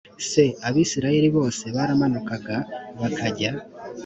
c abisirayeli bose baramanukaga bakajya